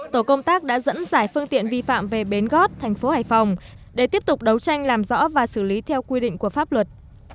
tổ công tác đã dẫn giải phương tiện vi phạm về bến gót thành phố hải phòng để tiếp tục đấu tranh làm rõ và xử lý theo quy định của pháp luật